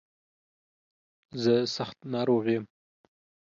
زه سخت ناروغ يم.